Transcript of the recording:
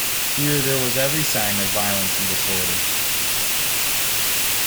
Here there was every sign of violence and disorder.